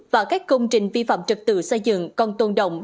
và các công trình vi phạm trật tự xây dựng còn tồn đồng